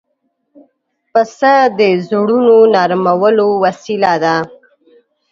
پسه د زړونو نرمولو وسیله ده.